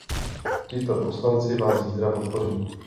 Tito poslanci vás zítra podpoří.